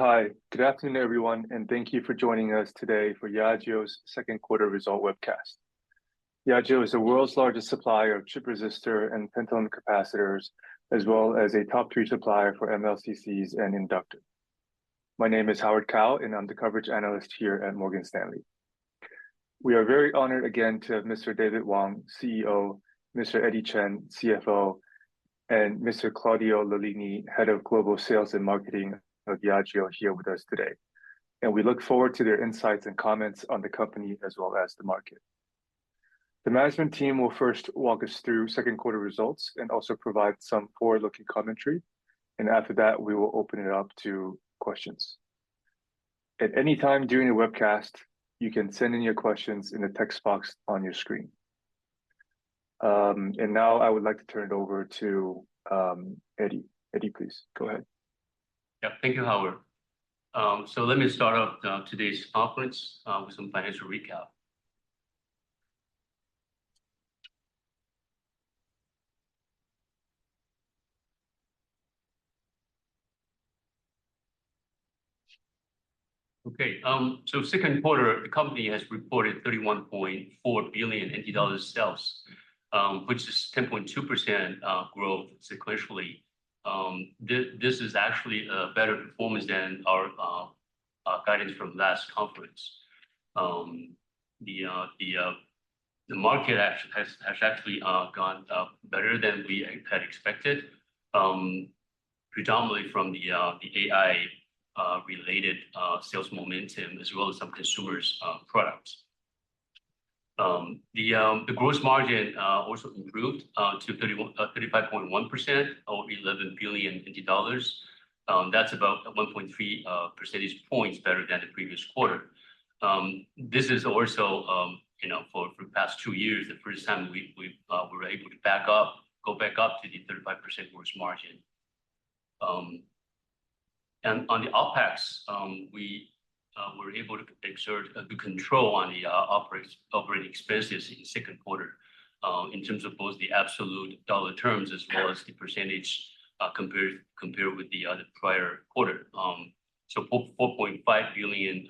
Hi. Good afternoon, everyone, and thank you for joining us today for Yageo's second quarter results webcast. Yageo is the world's largest supplier of chip resistor and tantalum capacitors, as well as a top three supplier for MLCCs and inductor. My name is Howard Kao, and I'm the coverage analyst here at Morgan Stanley. We are very honored again to have Mr. David Wang, CEO, Mr. Eddie Chen, CFO, and Mr. Claudio Lollini, Head of Global Sales and Marketing of Yageo here with us today, and we look forward to their insights and comments on the company as well as the market. The management team will first walk us through second quarter results and also provide some forward-looking commentary, and after that, we will open it up to questions. At any time during the webcast, you can send in your questions in the text box on your screen. Now I would like to turn it over to Eddie. Eddie, please go ahead. Thank you, Howard. Let me start off today's conference with some financial recap. Second quarter, the company has reported 31.4 billion sales, which is 10.2% growth sequentially. This is actually a better performance than our guidance from last conference. The market has actually gone better than we had expected, predominantly from the AI related sales momentum as well as some consumer products. The gross margin also improved to 35.1% or 11 billion. That's about 1.3 percentage points better than the previous quarter. This is also for the past two years, the first time we were able to go back up to the 35% gross margin. On the OpEx, we were able to exert a good control on the operating expenses in the second quarter, in terms of both the absolute dollar terms as well as the percentage compared with the prior quarter. 4.5 billion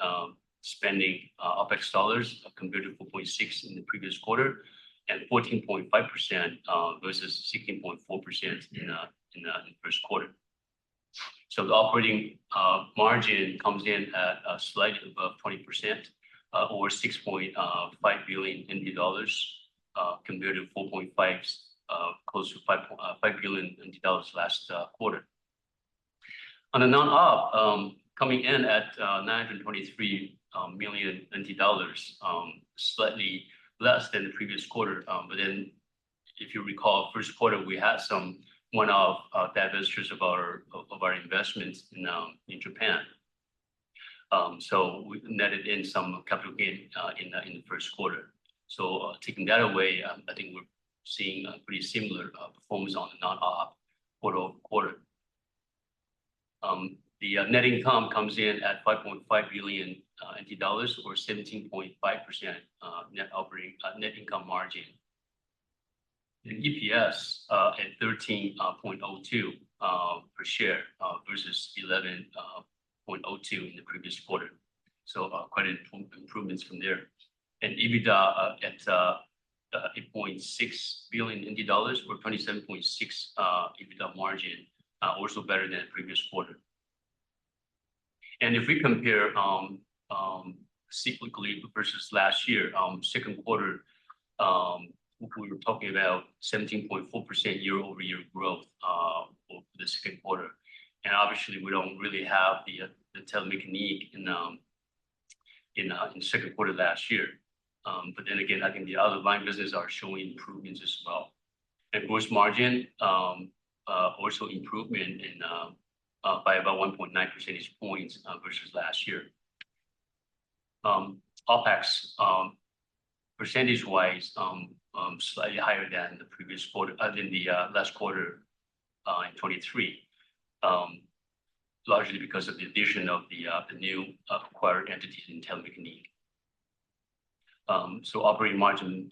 spending OpEx dollars compared to 4.6 billion in the previous quarter, and 14.5% versus 16.4% in the first quarter. The operating margin comes in at slightly above 20% or 6.5 billion dollars compared to close to 5 billion dollars last quarter. On a non-op coming in at 9.23 million NT dollars, slightly less than the previous quarter. If you recall, first quarter we had some one-off divestitures of our investments in Japan. We netted in some capital gain in the first quarter. Taking that away, I think we're seeing a pretty similar performance on a non-op quarter-over-quarter. The net income comes in at 5.5 billion dollars or 17.5% net income margin. The EPS at 13.02 per share versus 11.02 in the previous quarter, so quite improvements from there. EBITDA at 8.6 billion dollars or 27.6% EBITDA margin, also better than the previous quarter. If we compare cyclically versus last year second quarter, we were talking about 17.4% year-over-year growth over the second quarter. Obviously, we don't really have the Telemecanique in second quarter of last year. Again, I think the other line businesses are showing improvements as well. Gross margin also improvement in-- by about 1.9 percentage points versus last year. OpEx percentage-wise, slightly-- than the last quarter in 2023, largely because of the addition of the new acquired entities in Telemecanique. Operating margin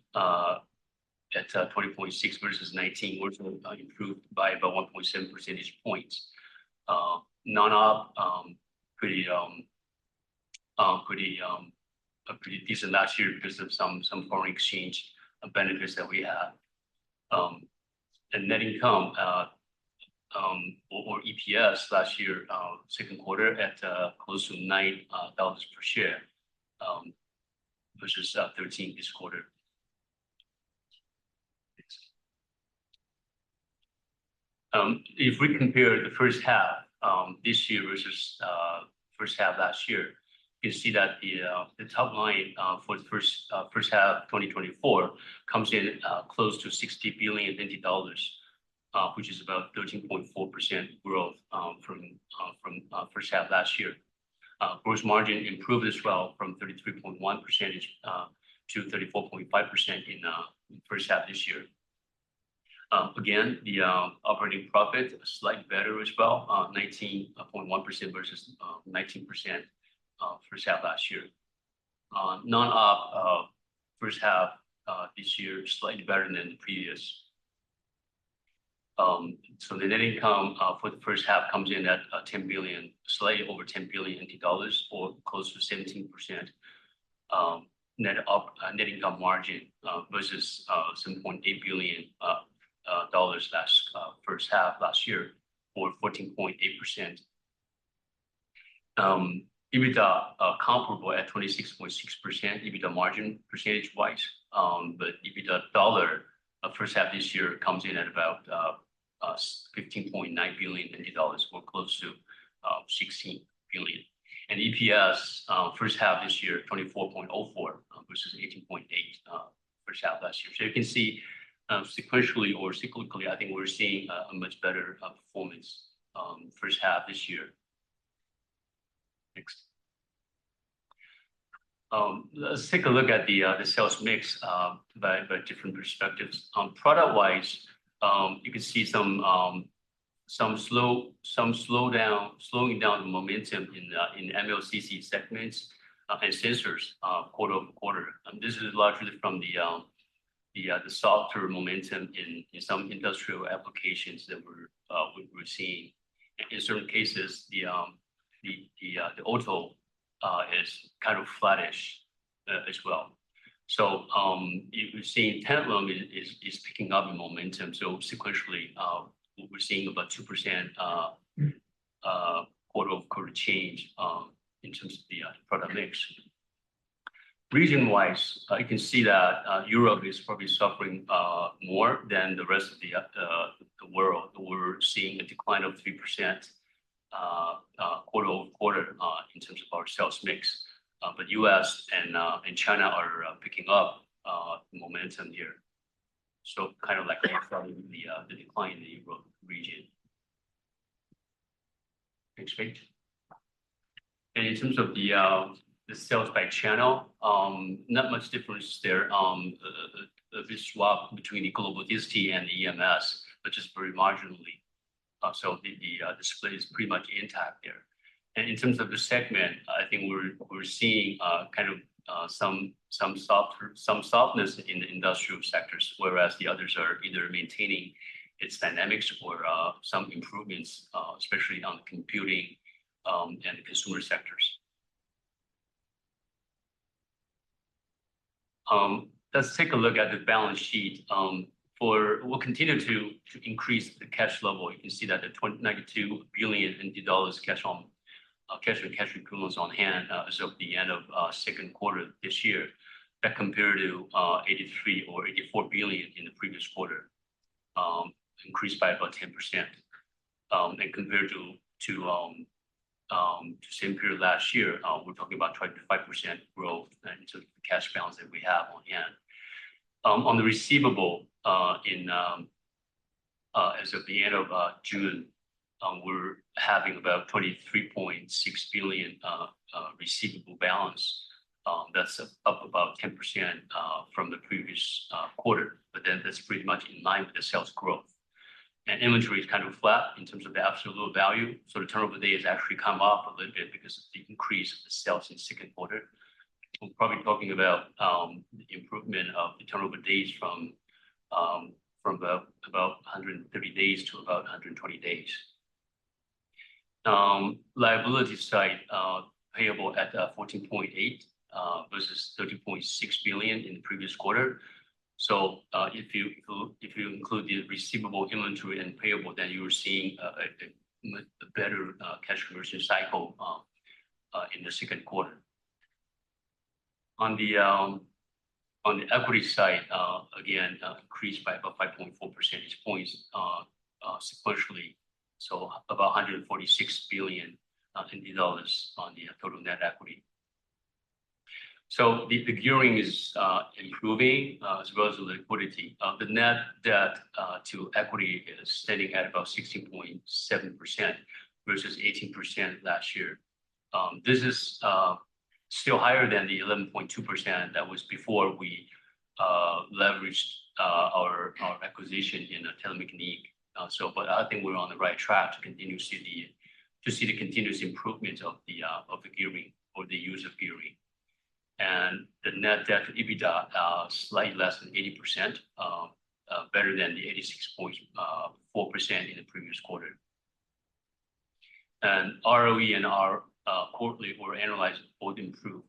at 20.6% versus 19% also improved by about 1.7 percentage points. Non-op pretty decent last year because of some foreign exchange benefits that we had. Net income or EPS last year second quarter at close to 9 dollars per share versus 13 this quarter. If we compare the first half this year versus first half last year, you'll see that the top line for the first half of 2024 comes in close to 60 billion dollars, which is about 13.4% growth from first half last year. Gross margin improved as well from 33.1%-34.5% in first half this year. Again, operating profit slight better as well, 19.1% versus 19% first half last year. Non-operating first half this year slightly better than the previous. So, the net income for the first half comes in at slightly over 10 billion dollars or close to 17% net income margin versus 7.8 billion dollars last-- first half last year or 14.8%. EBITDA is comparable at 26.6% EBITDA margin percentage-wise. But EBITDA dollars first half this year comes in at about 15.9 billion dollars or close to 16 billion. EPS first half this year 24.04 versus 18.8 first half last year. You can see sequentially or cyclically I think we're seeing a much better performance first half this year. Let's take a look at the sales mix by different perspectives. Product-wise, you can see some slowing down the momentum in the MLCC segments and sensors quarter-over-quarter. This is largely from the softer momentum in some industrial applications that we're seeing. In certain cases, the auto is kind of flattish as well. You can see Telemecanique is picking up in momentum. Sequentially, we're seeing about 2% quarter-over-quarter change in terms of the product mix. Region-wise, you can see that Europe is probably suffering more than the rest of the world. We're seeing a decline of 3% quarter-over-quarter in terms of our sales mix. U.S. And China is picking up momentum here. Kind of like offsetting the decline in the Europe region. Next page. In terms of the sales by channel, not much difference there. There's swap between the Global [inaudible] and the EMS, but just very marginally. The display is pretty much intact here. In terms of the segment, I think we're seeing kind of some softness in the industrial sectors, whereas the others are either maintaining its dynamics or some improvements, especially on the computing and the consumer sectors. Let's take a look at the balance sheet. We'll continue to increase the cash level. You can see that the 92 billion dollars in cash and cash equivalents on hand as of the end of second quarter this year. That compared to 83 billion or 84 billion in the previous quarter, increased by about 10%. Compared to same period last year, we're talking about 25% growth in terms of the cash balance that we have on hand. On the receivable as of the end of June, we're having about 23.6 billion receivable balance. That's up about 10% from the previous quarter. That's pretty much in line with the sales growth. Inventory is kind of flat in terms of the absolute value. The turnover day has actually come up a little bit because of the increase of the sales in second quarter. We're probably talking about the improvement of the turnover days from about 130 days to about 120 days. Liability side, payable at 14.8 billion versus 13.6 billion in the previous quarter. If you include the receivable inventory and payable, then you are seeing a better cash conversion cycle in the second quarter. On the equity side, again, increased by about 5.4 percentage points sequentially, about 146 billion in dollars on the total net equity. The gearing is improving as well as the liquidity. The net debt to equity is standing at about 16.7% versus 18% last year. This is still higher than the 11.2% that was before we leveraged our acquisition in Telemecanique. I think we're on the right track to continue to see the continuous improvement of the gearing or the use of gearing. The net debt to EBITDA is slightly less than 80%, better than the 86.4% in the previous quarter. ROE -- quarterly or annualized, holding through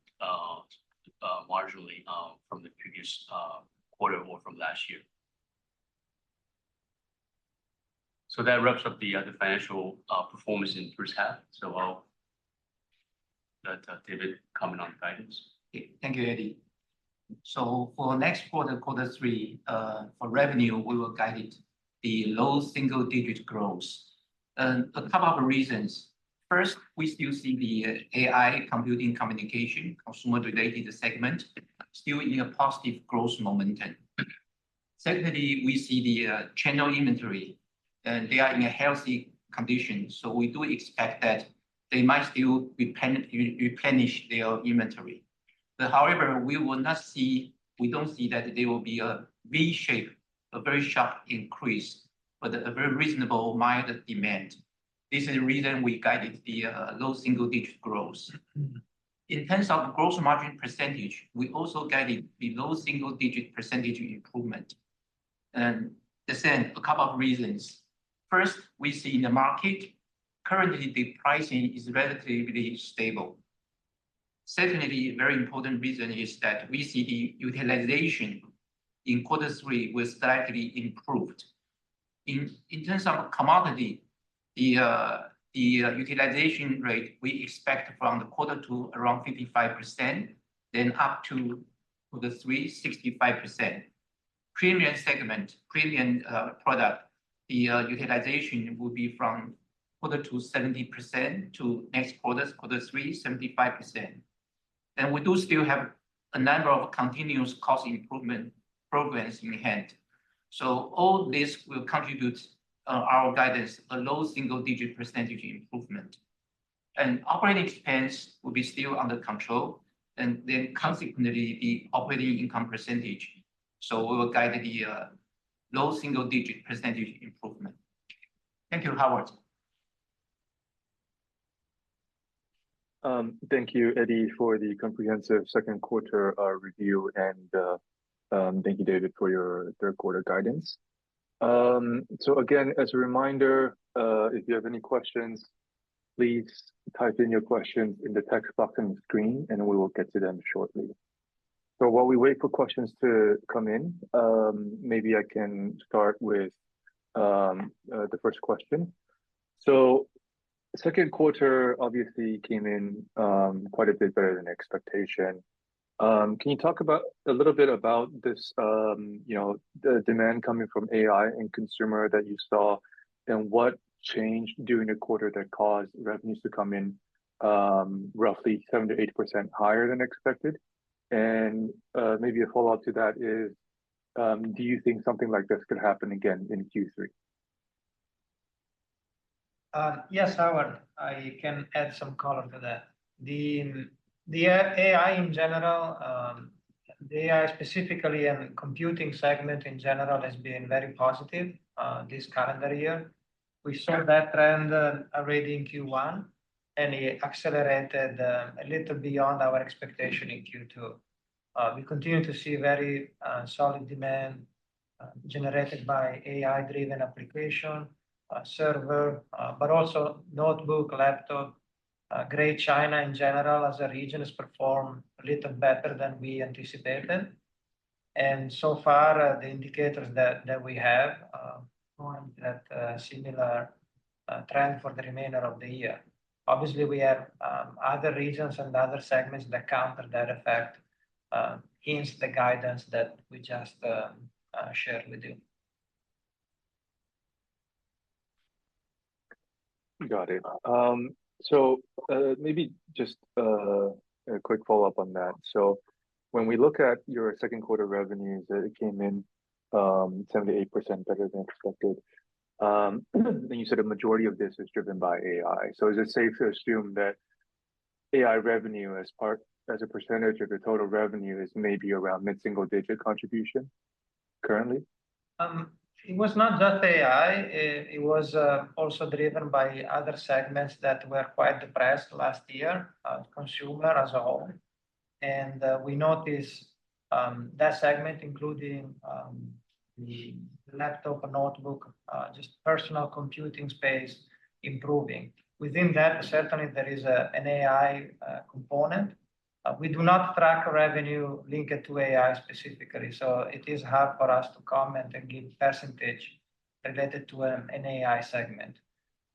marginally from the previous quarter or from last year. That wraps up the financial performance in first half. I'll let David comment on guidance. Thank you, Eddie. For next quarter three, for revenue, we will guide it to low single-digit growth. A couple of reasons. First, we still see the AI computing communication consumer-related segment still in a positive growth momentum. Secondly, we see the channel inventory, and they are in a healthy condition, so we do expect that they might still replenish their inventory. However, we don't see that there will be a V-shaped, a very sharp increase, but a very reasonable mild demand. This is the reason we guided the low single-digit growth. In terms of gross margin percentage, we also guided the low single-digit percentage improvement. The same, a couple of reasons. First, we see in the market currently the pricing is relatively stable. Second, very important reason is that we see the utilization in quarter three was slightly improved. In terms of commodity, the utilization rate we expect from the quarter two around 55%, then up to quarter three, 65%. Premium segment, premium product, the utilization will be from quarter two, 70% to next quarter three, 75%. We do still have a number of continuous cost improvement programs in hand. All this will contribute our guidance a low single-digit percentage improvement. Operating expense will be still under control, and then consequently, the operating income percentage. We will guide the low single-digit percentage improvement. Thank you, Howard. Thank you, Eddie for the comprehensive second quarter review and thank you David for your third quarter guidance. Again, as a reminder, if you have any questions, please type in your questions in the text box on the screen, and we will get to them shortly. While we wait for questions to come in, maybe I can start with the first question. Second quarter obviously came in quite a bit better than expectation. Can you talk a little bit about this, the demand coming from AI and consumer that you saw, and what changed during the quarter that caused revenues to come in roughly 7%-8% higher than expected? Maybe a follow-up to that is, do you think something like this could happen again in Q3? Yes, Howard, I can add some color to that. The AI in general, the AI specifically and computing segment in general has been very positive this calendar year. We saw that trend already in Q1, and it accelerated a little beyond our expectation in Q2. We continue to see very solid demand generated by AI-driven application server, but also notebook, laptop. Greater China in general as a region has performed a little better than we anticipated. So far, the indicators that we have point at a similar trend for the remainder of the year. Obviously, we have other regions and other segments that counter that effect, hence the guidance that we just shared with you. Got it. When we look at your second quarter revenues, it came in 7%-8% better than expected. You said a majority of this is driven by AI. Is it safe to assume that AI revenue as a percentage of your total revenue is maybe around mid-single digit contribution currently? It was not just AI. It was also driven by other segments that were quite depressed last year, consumer as a whole. We noticed that segment, including the laptop and notebook, just personal computing space improving. Within that, certainly there is an AI component. We do not track revenue linked to AI specifically, so it is hard for us to comment and give percentage related to an AI segment.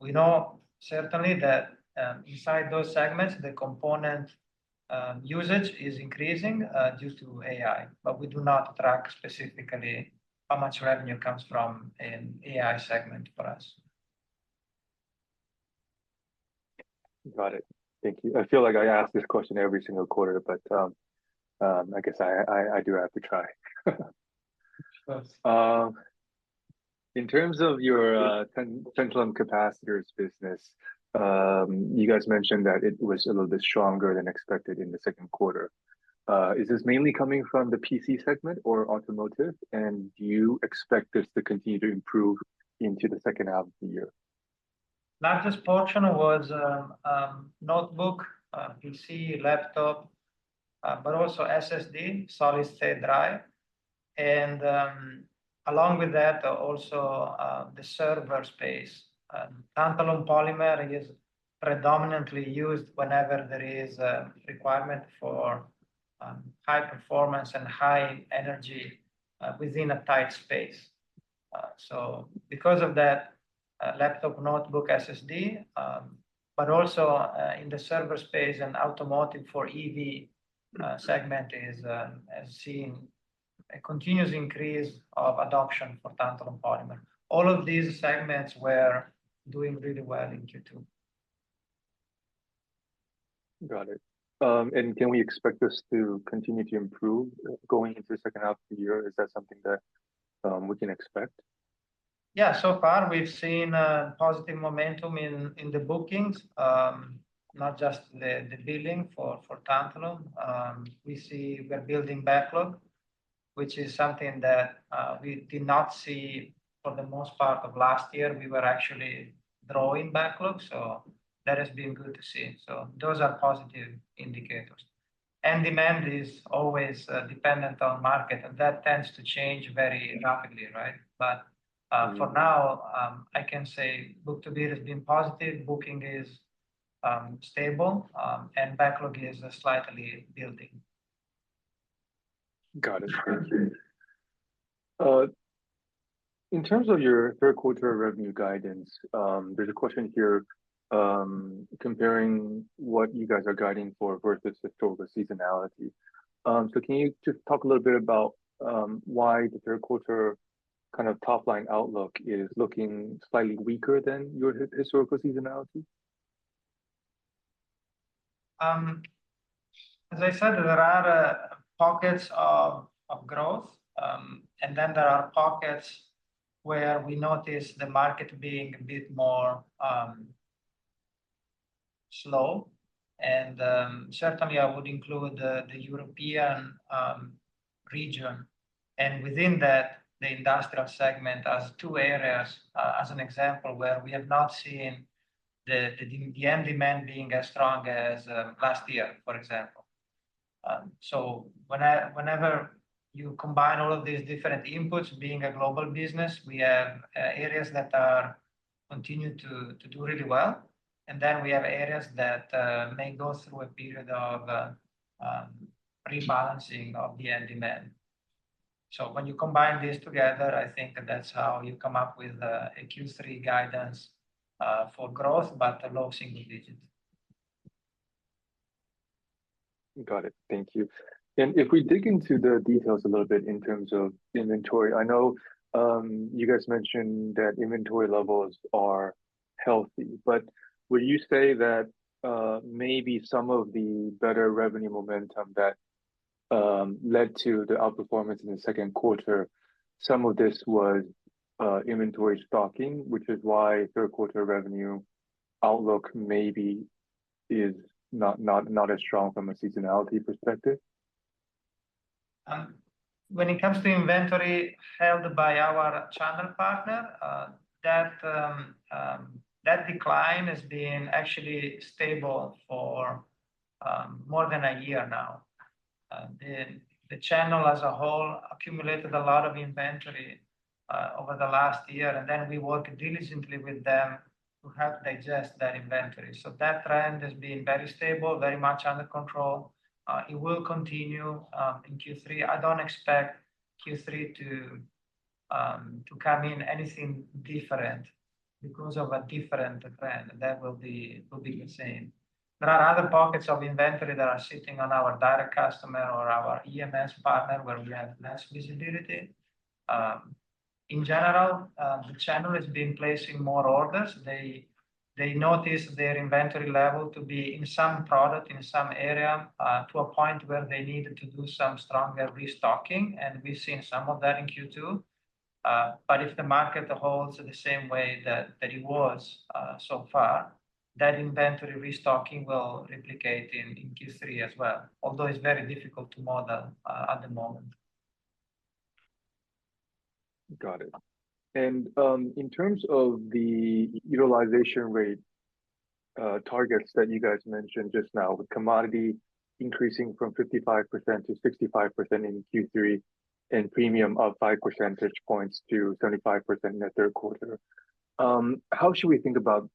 We know certainly that inside those segments, the component usage is increasing due to AI, but we do not track specifically how much revenue comes from an AI segment for us. Got it. Thank you. I feel like I ask this question every single quarter, but I guess I do have to try. In terms of your tantalum capacitors business, you guys mentioned that it was a little bit stronger than expected in the second quarter. Is this mainly coming from the PC segment or automotive? Do you expect this to continue to improve into the second half of the year? Largest portion was notebook, PC, laptop, but also SSD, solid-state drive. Along with that also, the server space. Tantalum polymer is predominantly used whenever there is a requirement for high performance and high energy within a tight space. Because of that, laptop, notebook, SSD, but also in the server space and automotive for EV segment has seen a continuous increase of adoption for tantalum polymer. All of these segments were doing really well in Q2. Got it. Can we expect this to continue to improve going into the second half of the year? Is that something that we can expect? Yes, so far we've seen positive momentum in the bookings, not just the billing for tantalum. We see we're building backlog, which is something that we did not see for the most part of last year. We were actually drawing backlog, so that has been good to see. Those are positive indicators. End demand is always dependent on market, and that tends to change very rapidly, right? But for now, I can say book-to-bill has been positive, booking is stable, and backlog is slightly building. Got it. Thank you. In terms of your third quarter revenue guidance, there's a question here, comparing what you guys are guiding for versus the total seasonality. Can you just talk a little bit about why the third quarter kind of top-line outlook is looking slightly weaker than your historical seasonality? As I said, there are pockets of growth, and then there are pockets where we notice the market being a bit more slow. Certainly, I would include the European region, and within that, the industrial segment as two areas, as an example, where we have not seen the end demand being as strong as last year, for example. Whenever you combine all of these different inputs, being a global business, we have areas that are continuing to do really well, and then we have areas that may go through a period of rebalancing of the end demand. When you combine this together, I think that's how you come up with the Q3 guidance for growth, but low single digit. Got it. Thank you. If we dig into the details a little bit in terms of inventory, I know you guys mentioned that inventory levels are healthy. Would you say that maybe some of the better revenue momentum that led to the outperformance in the second quarter, some of this was inventory stocking, which is why third quarter revenue outlook maybe is not as strong from a seasonality perspective? When it comes to inventory held by our channel partner, that decline has been actually stable for more than a year now. The channel as a whole accumulated a lot of inventory over the last year, and then we work diligently with them to help digest that inventory. That trend has been very stable, very much under control. It will continue in Q3. I don't expect Q3 to come in anything different because of a different trend. That will be the same. There are other pockets of inventory that are sitting on our end customer or our EMS partner where we have less visibility. In general, the channel has been placing more orders. They notice their inventory level to be in some product, in some area, to a point where they need to do some stronger restocking, and we've seen some of that in Q2. If the market holds in the same way that it was so far, that inventory restocking will replicate in Q3 as well, although it's very difficult to model at the moment. Got it. In terms of the utilization rate targets that you guys mentioned just now, the commodity increasing from 55% to 65% in Q3 and premium of 5 percentage points to 25% in the third quarter. How should we think about,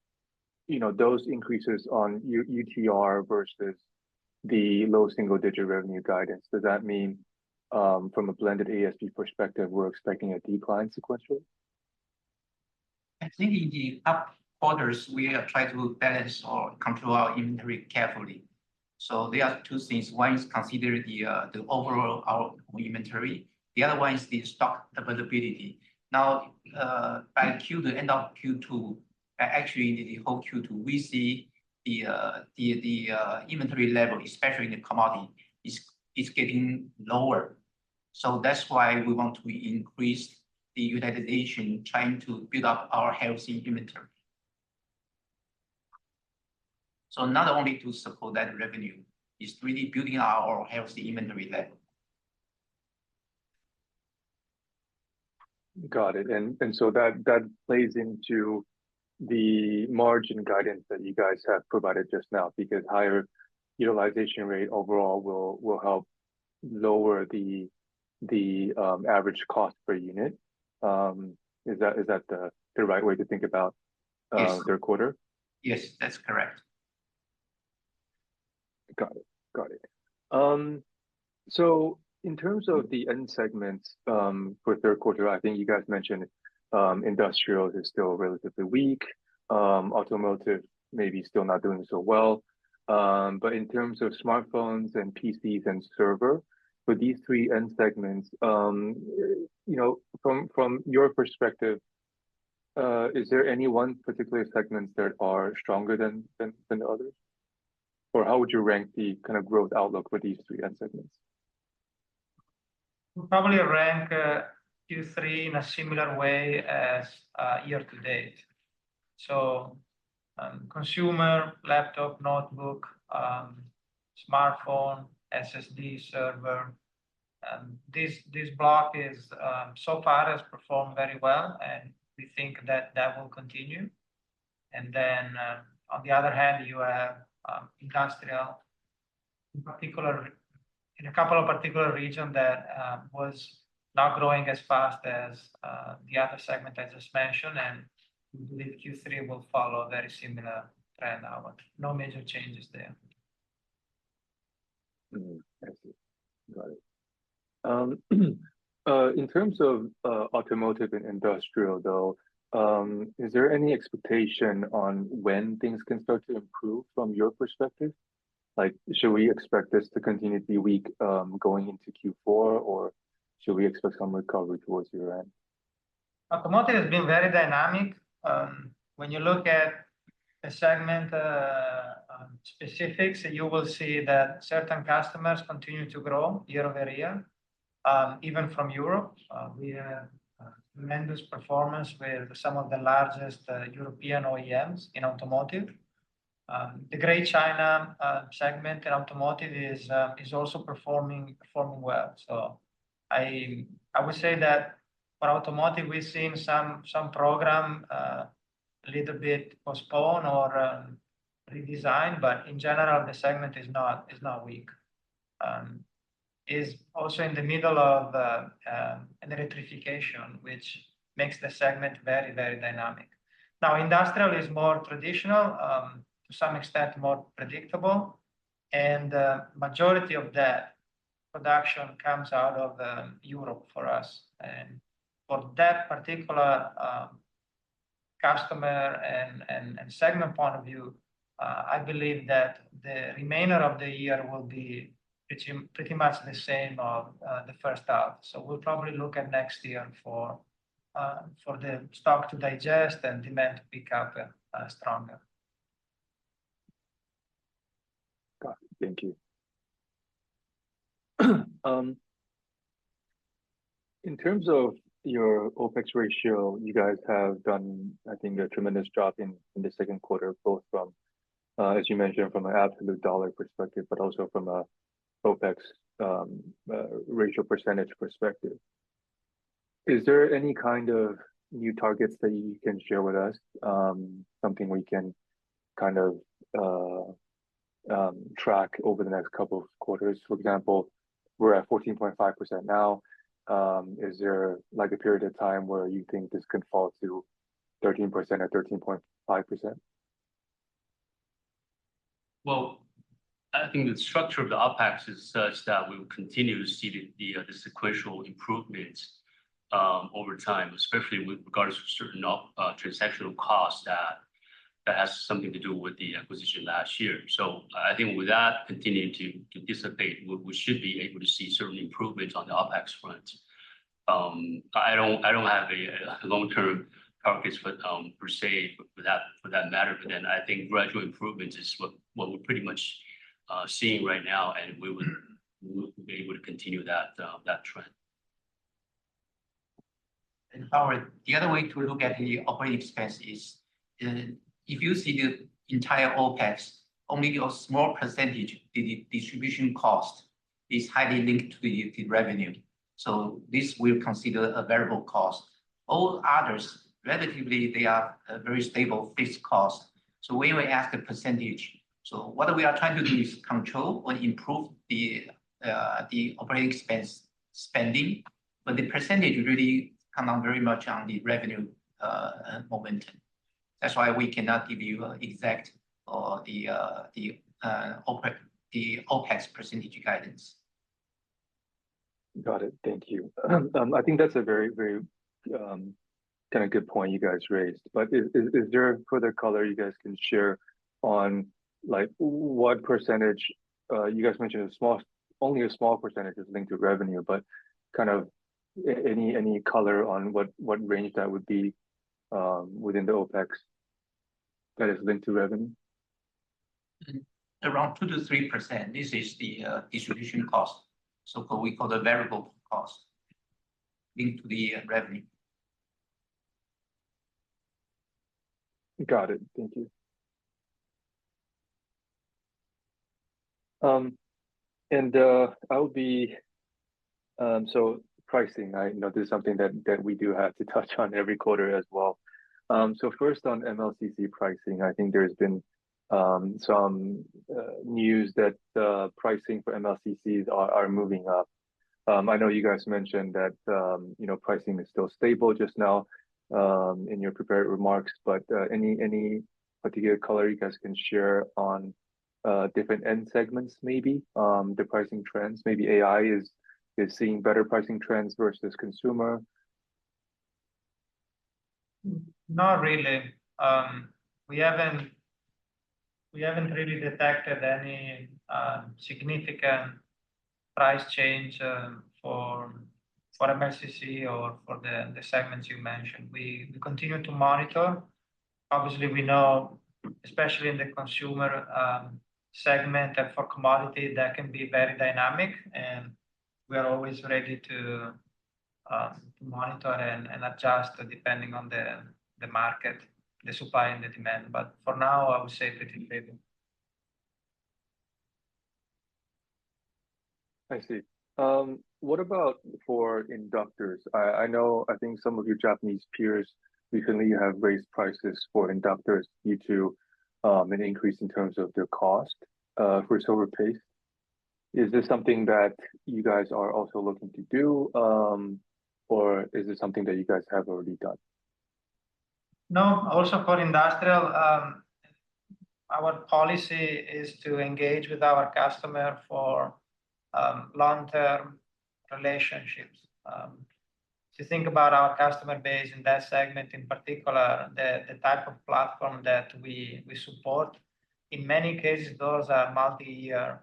those increases on UTR versus the low single-digit revenue guidance? Does that mean, from a blended ASP perspective, we're expecting a decline sequentially? I think in the up quarters we have tried to balance or control our inventory carefully. There are two things. One is consider the overall our inventory. The other one is the stock availability. Now, by the end of Q2, actually the whole Q2, we see the inventory level, especially in the commodity, is getting lower. That's why we want to increase the utilization, trying to build up our healthy inventory. Not only to support that revenue, it's really building our healthy inventory level. Got it. That plays into the margin guidance that you guys have provided just now, because higher utilization rate overall will help lower the average cost per unit. Is that the right way to think about third quarter? Yes, that's correct. Got it. In terms of the end segments, for third quarter, I think you guys mentioned, Industrial is still relatively weak. Automotive may be still not doing so well. In terms of smartphones and PCs and server, for these three end segments, from your perspective, is there any one particular segment that are stronger than the others? Or how would you rank the kind of growth outlook for these three end segments? Q3 in a similar way as year-to-date. Consumer, laptop, notebook, smartphone, SSD, server. This block so far has performed very well, and we think that will continue. On the other hand, you have Industrial in particular in a couple of particular regions that was not growing as fast as the other segment I just mentioned, and we believe Q3 will follow a very similar trend now, but no major changes there. I see. Got it. In terms of Automotive and Industrial though, is there any expectation on when things can start to improve from your perspective? Should we expect this to continue to be weak going into Q4, or should we expect some recovery towards year-end? Automotive has been very dynamic. When you look at the segment specifics, you will see that certain customers continue to grow year-over-year, even from Europe. We have tremendous performance with some of the largest European OEMs in automotive. The Greater China segment in automotive is also performing well. I would say that for automotive we've seen some program a little bit postponed or redesigned, but in general, the segment is not weak. It's also in the middle of an electrification, which makes the segment very, very dynamic. Now, Industrial is more traditional, to some extent more predictable, and the majority of that production comes out of Europe for us. For that particular customer and segment point of view, I believe that the remainder of the year will be pretty much the same as the first half. We'll probably look at next year for the stock to digest and demand to pick up stronger. Got it. Thank you. In terms of your OpEx ratio, you guys have done, I think, a tremendous job in the second quarter, both from, as you mentioned, from an absolute dollar perspective, but also from a OpEx ratio percentage perspective. Is there any kind of new targets that you can share with us, something we can kind of track over the next couple of quarters? For example, we're at 14.5% now. Is there like a period of time where you think this could fall to 13% or 13.5%? Well, I think the structure of the OpEx is such that we will continue to see the sequential improvements over time, especially with regards to certain transactional costs that has something to do with the acquisition last year. I think with that continuing to dissipate, we should be able to see certain improvements on the OpEx front. I don't have a long-term targets for per se for that matter. I think gradual improvements is what we're pretty much seeing right now, and we will be able to continue that trend. Howard, the other way to look at the operating expense is, if you see the entire OpEx, only a small percentage, the distribution cost is highly linked to the revenue. This we've considered a variable cost. All others, relatively, they are a very stable fixed cost. We will ask a percentage. What we are trying to do is control or improve the operating expense spending, but the percentage really come out very much on the revenue momentum. That's why we cannot give you an exact or the OpEx percentage guidance. Got it. Thank you. I think that's a very kind of good point you guys raised. Is there further color you guys can share on, like, what percentage you guys mentioned only a small percentage is linked to revenue, but kind of any color on what range that would be within the OpEx that has been to revenue? Around 2%-3%. This is the distribution cost. We got a variable cost linked to the revenue. Got it. Thank you. On the pricing, I know this is something that we do have to touch on every quarter as well. First on MLCC pricing, I think there's been some news that pricing for MLCCs are moving up. I know you guys mentioned that you know, pricing is still stable just now in your prepared remarks, but any particular color you guys can share on different end segments maybe, the pricing trends? Maybe AI is seeing better pricing trends versus consumer. Not really. We haven't really detected any significant price change for MLCC or for the segments you mentioned. We continue to monitor. Obviously, we know, especially in the consumer segment and for commodity, that can be very dynamic. We are always ready to monitor and adjust depending on the market, the supply and the demand. For now, I would say 50/50. I see. What about for inductors? I know I think some of your Japanese peers recently have raised prices for inductors due to an increase in terms of their cost for silver paste. Is this something that you guys are also looking to do, or is it something that you guys have already done? No. Also for industrial, our policy is to engage with our customer for long-term relationships. If you think about our customer base in that segment, in particular, the type of platform that we support, in many cases, those are multi-year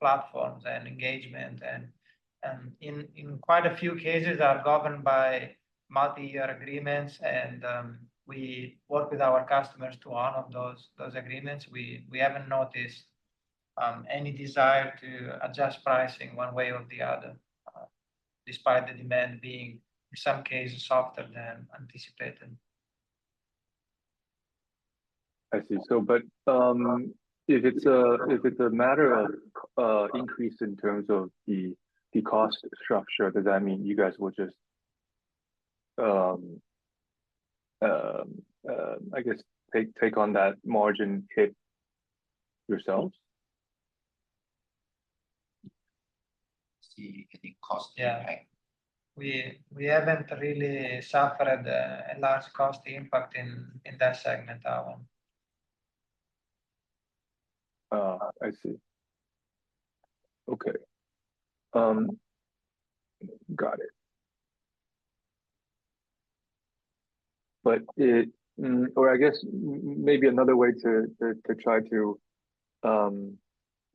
platforms and engagement and in quite a few cases are governed by multi-year agreements and we work with our customers to honor those agreements. We haven't noticed any desire to adjust pricing one way or the other, despite the demand being, in some cases, softer than anticipated. I see. If it's a matter of increase in terms of the cost structure, does that mean you guys will just, I guess, take on that margin hit yourselves? See any cost impact. We haven't really suffered a large cost impact in that segment, Howard. I see. Okay. Got it. I guess maybe another way to try to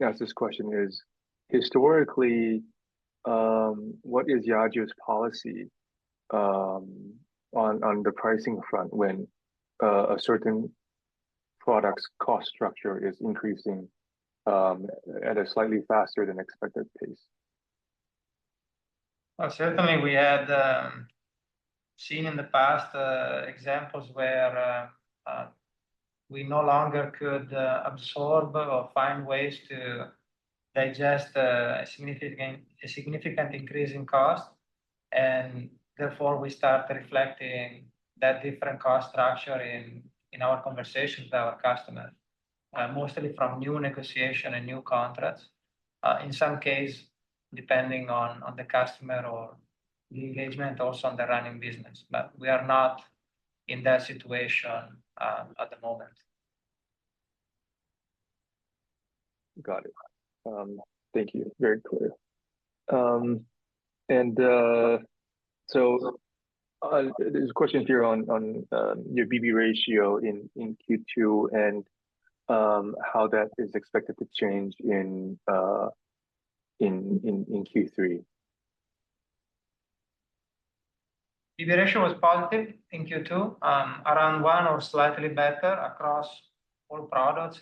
ask this question is, historically, what is Yageo's policy on the pricing front when a certain product's cost structure is increasing at a slightly faster than expected pace? Well, certainly we had seen in the past examples where we no longer could absorb or find ways to digest a significant increase in cost. Therefore, we start reflecting that different cost structure in our conversations with our customers, mostly from new negotiation and new contracts. In some case, depending on the customer or the engagement, also on the running business. We are not in that situation at the moment. Got it. Thank you. Very clear. There's a question here on your BB ratio in Q2 and how that is expected to change in Q3? The direction was positive in Q2, around one or slightly better across all products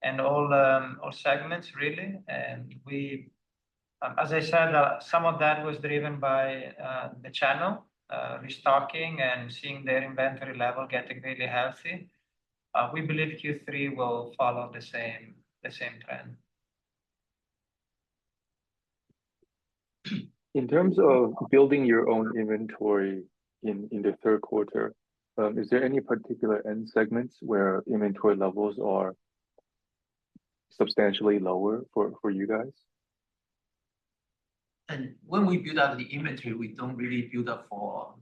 and all segments really. As I said, some of that was driven by the channel restocking and seeing their inventory level getting really healthy. We believe Q3 will follow the same trend. In terms of building your own inventory in the third quarter, is there any particular end segments where inventory levels are substantially lower for you guys? When we build up the inventory, we don't really build up for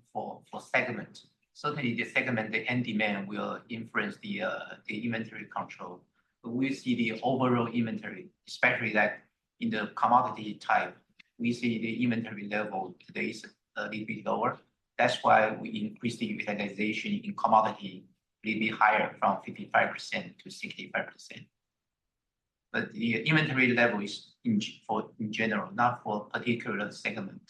segment. Certainly, the segment, the end demand will influence the inventory control. But we see the overall inventory, especially that in the commodity type, we see the inventory level today is a little bit lower. That's why we increase the utilization in commodity will be higher from 55% to 65%. But the inventory level is in general, not for particular segment.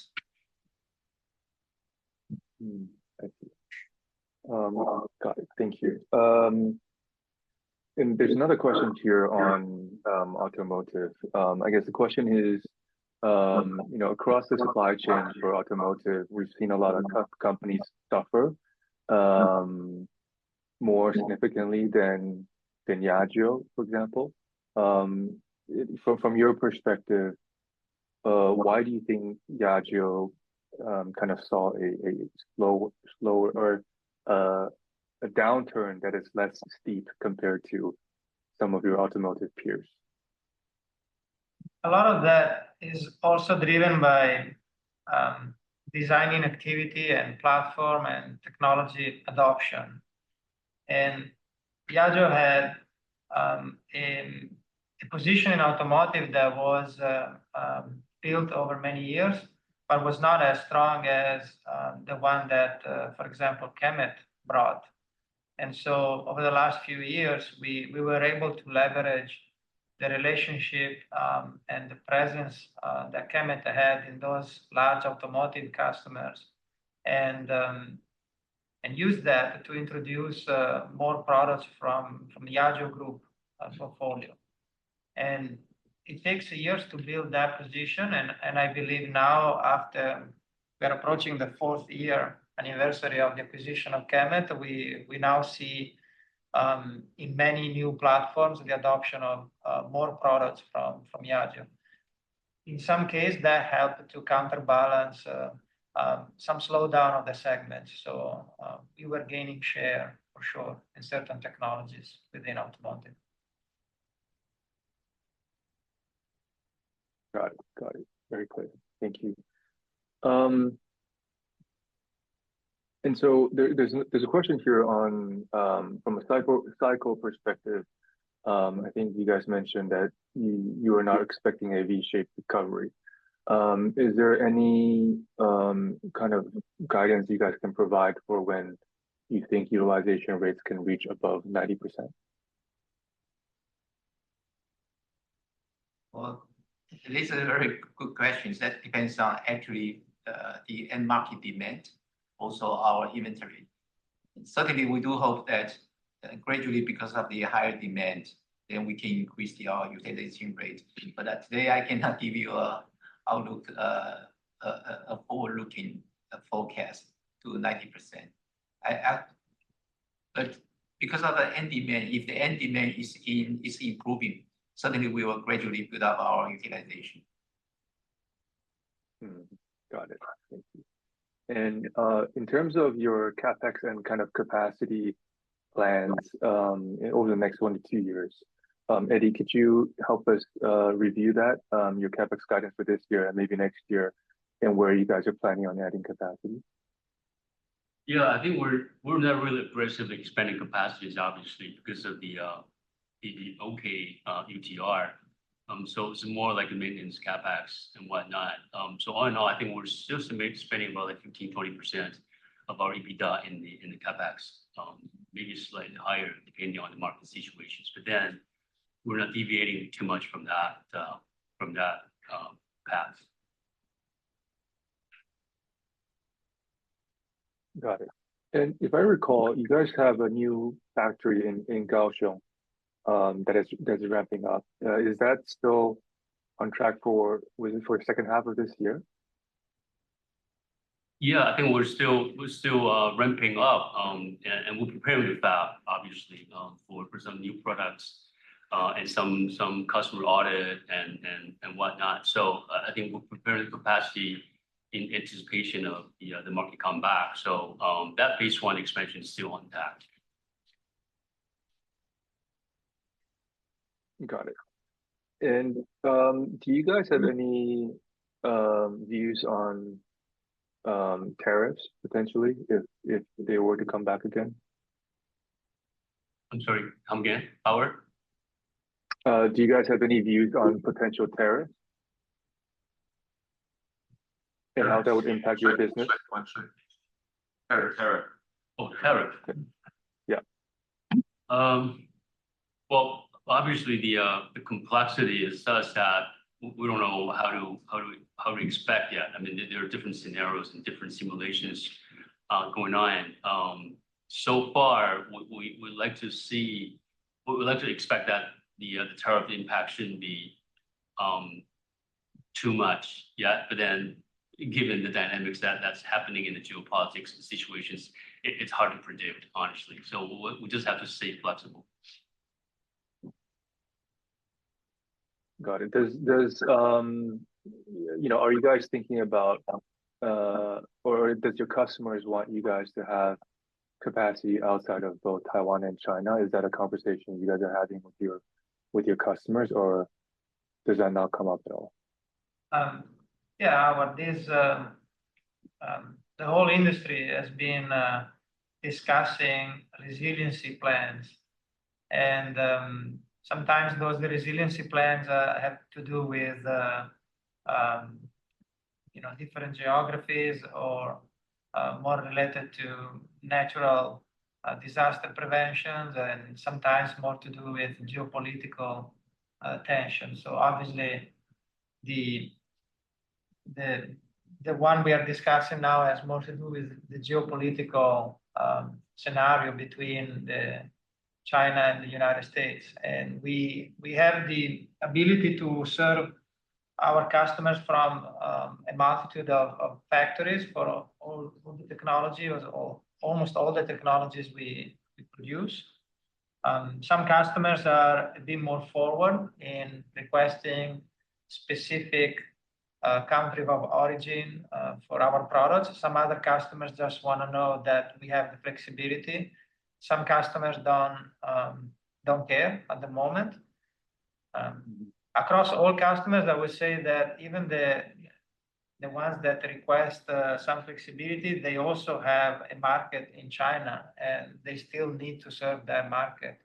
I see. Got it. Thank you. There's another question here on Automotive. I guess the question is, across the supply chain for Automotive, we've seen a lot of companies suffer more significantly than Yageo, for example. From your perspective, why do you think Yageo kind of saw a downturn that is less steep compared to some of your automotive peers? A lot of that is also driven by design-in activity and platform and technology adoption. Yageo had a position in automotive that was built over many years, but was not as strong as the one that for example KEMET brought. Over the last few years, we were able to leverage the relationship and the presence that KEMET had in those large automotive customers and use that to introduce more products from the Yageo group portfolio. It takes years to build that position and I believe now after we are approaching the fourth year anniversary of the acquisition of KEMET, we now see in many new platforms the adoption of more products from Yageo. In some case, that helped to counterbalance some slowdown of the segment. We were gaining share for sure in certain technologies within automotive. Got it. Very clear. Thank you. There's a question here on from a cycle perspective. I think you guys mentioned that you are not expecting a V-shaped recovery. Is there any kind of guidance you guys can provide for when you think utilization rates can reach above 90%? Well, this is a very good question. That depends on actually, the end market demand, also our inventory. Certainly, we do hope that gradually because of the higher demand, then we can increase the utilization rate. Today, I cannot give you an outlook, a forward-looking forecast to 90%. Because of the end demand, if the end demand is improving, certainly we will gradually build up our utilization. Got it. Thank you. In terms of your CapEx and kind of capacity plans, over the next one to two years, Eddie, could you help us review that, your CapEx guidance for this year and maybe next year, and where you guys are planning on adding capacity? Yes. I think we're not really aggressively expanding capacities obviously because of the UTR. It's more like maintenance CapEx and whatnot. All in all, I think we're still spending about like 15%-20% of our EBITDA in the CapEx, maybe slightly higher depending on the market situations. We're not deviating too much from that path. Got it. If I recall, you guys have a new factory in Kaohsiung that is ramping up. Is that still on track for second half of this year? Yes. I think we're still ramping up and we're prepared with that obviously for some new products and some customer audit and whatnot. I think we're preparing capacity in anticipation of the market comeback. That phase one expansion is still on track. Got it. Do you guys have any views on tariffs potentially if they were to come back again? I'm sorry. Come again, Howard? Do you guys have any views on potential tariffs? How that would impact your business? Tariff. Oh, tariff. Yes. Well, obviously the complexity is such that we don't know how to expect yet. I mean, there are different scenarios and different simulations going on. So far we would like to expect that the tariff impact shouldn't be too much yet. But then given the dynamics that's happening in the geopolitical situations, it's hard to predict, honestly. We just have to stay flexible. Got it. Are you guys thinking about, or does your customers want you guys to have capacity outside of both Taiwan and China? Is that a conversation, you guys are having with your customers, or does that not come up at all? The whole industry has been discussing resiliency plans and sometimes those resiliency plans have to do with you know different geographies or more related to natural disaster preventions and sometimes more to do with geopolitical tension. Obviously the one we are discussing now has more to do with the geopolitical scenario between China and the United States. We have the ability to serve our customers from a multitude of factories for all the technology or almost all the technologies we produce. Some customers are a bit more forward in requesting specific country of origin for our products. Some other customers just want to know that we have the flexibility. Some customers don't care at the moment. Across all customers, I would say that even the ones that request some flexibility, they also have a market in China, and they still need to serve that market.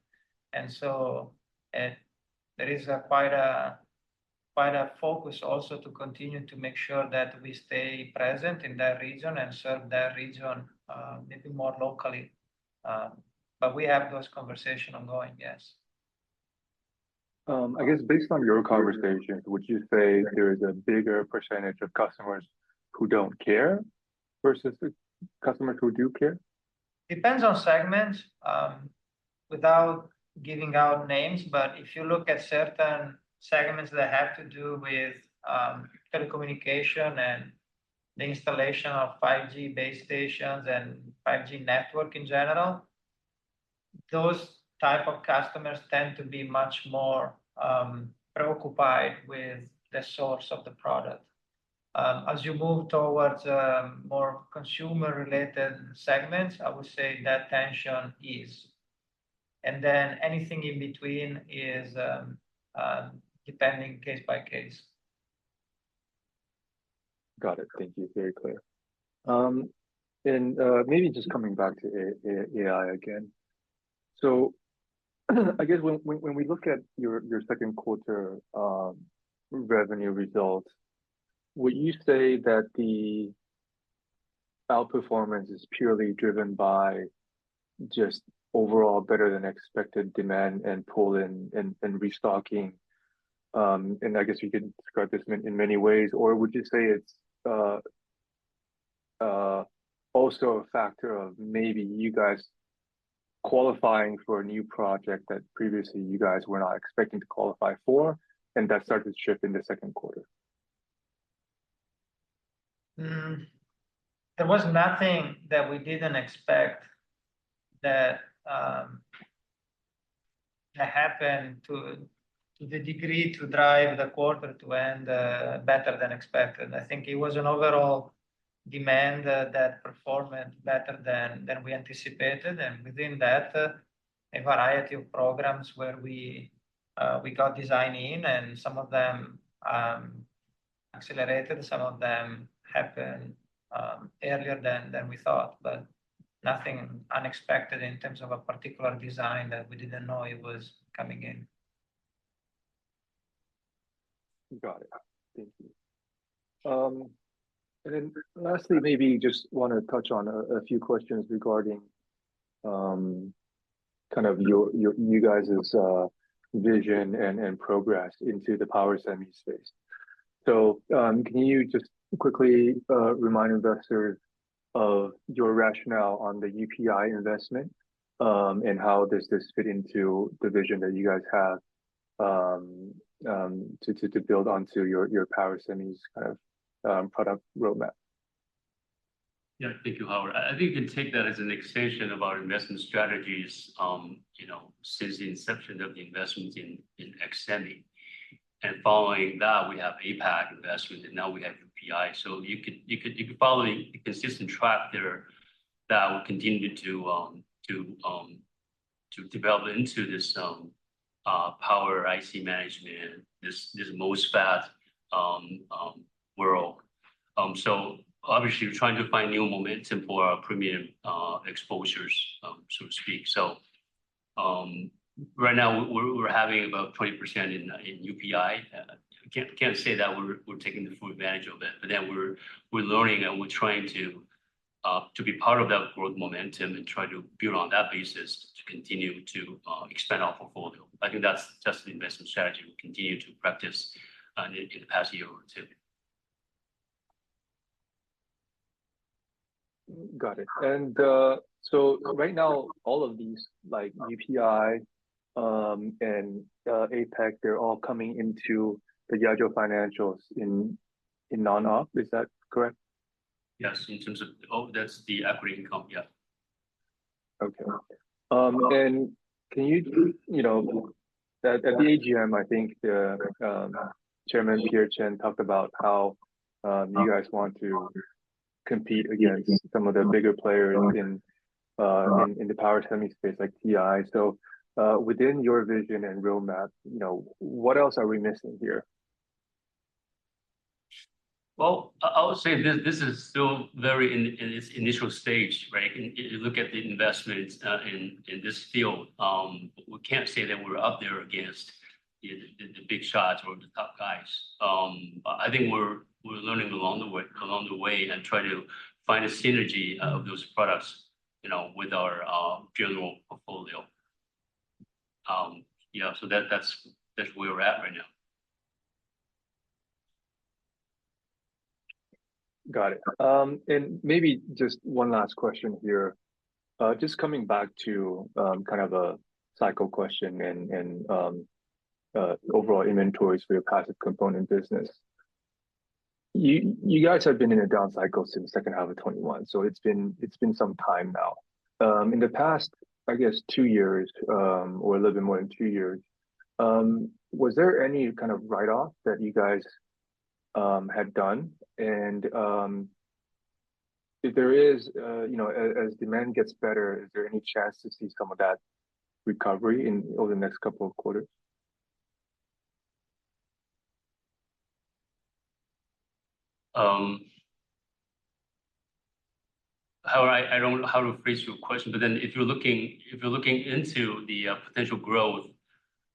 There is quite a focus also to continue to make sure that we stay present in that region and serve that region, maybe more locally. We have those conversations ongoing, yes. I guess based on your conversation, would you say there is a bigger percentage of customers who don't care versus the customers who do care? Depends on segment. Without giving out names, but if you look at certain segments that have to do with telecommunication and the installation of 5G base stations and 5G network in general, those types of customers tend to be much more preoccupied with the source of the product. As you move towards more consumer-related segments, I would say that tension is. Anything in between is depending, case by case. Got it. Thank you. Very clear. Maybe just coming back to AI again. I guess when we look at your second quarter revenue results, would you say that the outperformance is purely driven by just overall better than expected demand and pull-in and restocking? I guess you can describe this in many ways. Would you say it's also a factor of maybe you guys qualifying for a new project that previously you guys were not expecting to qualify for, and that started to ship in the second quarter? There was nothing that we didn't expect that happened to the degree to drive the quarter to end better than expected. I think it was an overall demand that performed better than we anticipated, and within that, a variety of programs where we got design-in, and some of them accelerated, some of them happened earlier than we thought. Nothing unexpected in terms of a particular design that we didn't know was coming in. Got it. Thank you. Lastly, maybe just want to touch on a few questions regarding kind of you guys' vision and progress into the power semi space. Can you just quickly remind investors of your rationale on the uPI investment, and how does this fit into the vision that you guys have to build onto your power semis kind of product roadmap? Yeah. Thank you, Howard. I think you can take that as an extension of our investment strategies, since the inception of the investment in XSemi. Following that, we have APEC investment, and now we have uPI. You could follow a consistent track there that will continue to develop into this power IC management, this MOSFET world. Obviously, we're trying to find new momentum for our premium exposures, so to speak. Right now, we're having about 20% in uPI. We can't say that we're taking the full advantage of it, but we're learning and we're trying to be part of that growth momentum and try to build on that basis to continue to expand our portfolio. I think that's just an investment strategy we continue to practice in the past year or two. Got it. Right now, all of these like uPI and APEC, they're all coming into the Yageo financials in non-op. Is that correct? Yes. Oh, that's the equity income. Yes. Okay. Can you know, at the AGM, I think the Chairman, Pierre Chen, talked about how you guys want to compete against some of the bigger players in the power semiconductor space like TI. Within your vision and roadmap, what else are we missing here? Well, I would say this is still very in its initial stage, right? If you look at the investments in this field, we can't say that we're up there against the big shots or the top guys. I think we're learning along the way and try to find a synergy of those products, with our general portfolio. That's where we're at right now. Got it. Maybe just one last question here. Just coming back to kind of a cycle question and overall inventories for your passive component business. You guys have been in a down cycle since the second half of 2021, so it's been some time now. In the past, I guess two years or a little bit more than two years, was there any kind of write-off that you guys had done? If there is, as demand gets better, is there any chance to see some of that recovery in over the next couple of quarters? However, I don't know how to phrase your question. If you're looking into the potential growth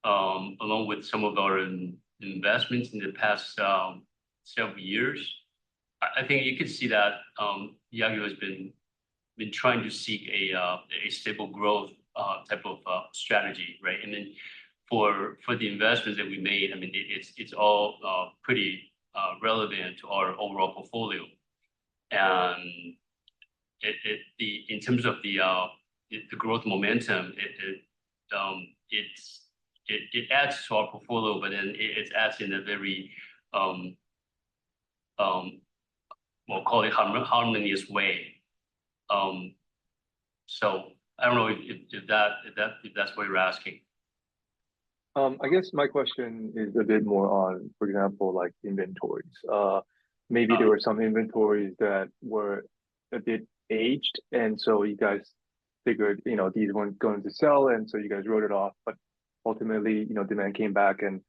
along with some of our investments in the past several years, I think you could see that Yageo has been trying to seek a stable growth type of strategy, right? For the investments that we made, I mean, it's all pretty relevant to our overall portfolio. In terms of the growth momentum, it adds to our portfolio, but it adds in a very, call it harmonious way. I don't know if that's what you're asking. I guess my question is a bit more on, for example, like inventories. Maybe there were some inventories that were a bit aged, and so you guys figured, these weren't going to sell, and so you guys wrote it off. But ultimately, demand came back and,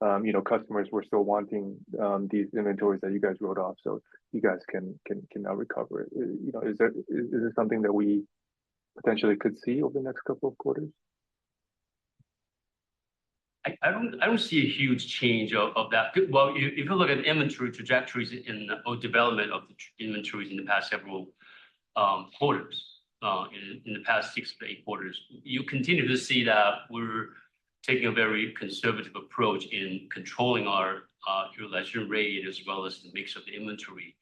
customers were still wanting these inventories that you guys wrote off. So, you guys can now recover it. Is this something that we potentially could see over the next couple of quarters? I don't see a huge change of that. Well, if you look at inventory trajectories or development of the inventories in the past several quarters, in the past six to eight quarters, you continue to see that we're taking a very conservative approach in controlling our utilization rate as well as the mix of the inventory.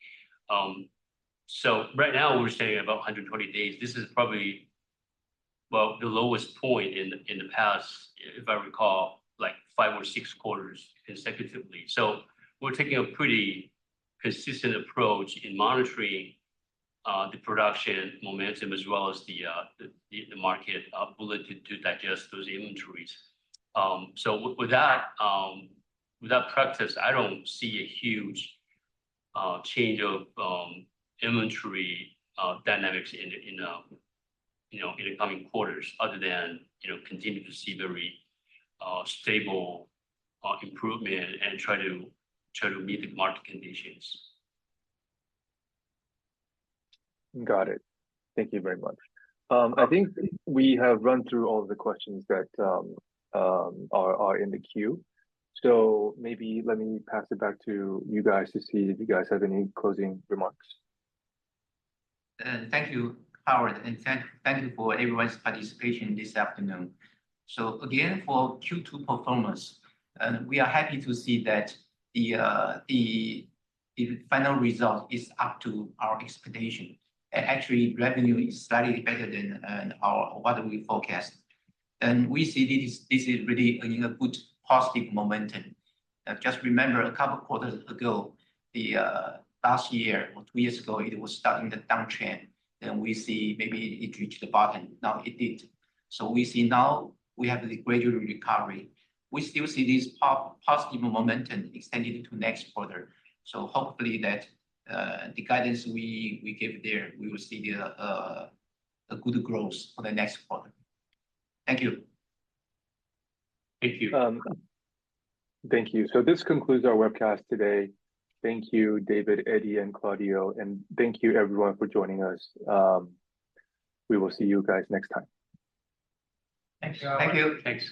Right now, we're sitting at about 120 days. This is probably, well, the lowest point in the past, if I recall, like five or six quarters consecutively. We're taking a pretty consistent approach in monitoring the production momentum as well as the market ability to digest those inventories. With that practice, I don't see a huge change of inventory dynamics in the, in the coming quarters other than, continue to see very stable improvement and try to meet the market conditions. Got it. Thank you very much. I think we have run through all the questions that are in the queue. Maybe let me pass it back to you guys to see if you guys have any closing remarks. Thank you, Howard, and thank you for everyone's participation this afternoon. Again, for Q2 performance, we are happy to see that the final results is up to our expectation. Actually, revenue is slightly better than what we forecast. We see this is really a good positive momentum. Just remember a couple quarters ago, the last year or two years ago, it was starting the downtrend. We see maybe it reached the bottom. Now it did. We see now we have the gradual recovery. We still see this positive momentum extended to next quarter. Hopefully that the guidance we gave there, we will see a good growth for the next quarter. Thank you. Thank you. Thank you. This concludes our webcast today. Thank you, David, Eddie and Claudio. Thank you everyone for joining us. We will see you guys next time. Thanks. Thank you. Thanks.